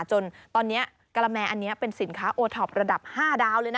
จนตอนนี้กะละแมอันนี้เป็นสินค้าโอท็อประดับ๕ดาวเลยนะ